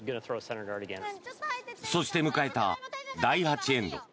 そして迎えた第８エンド。